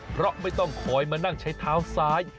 เพราะไม่ต้องคอยมานั่งใช้เท้าซ้าย